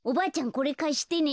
これかしてね。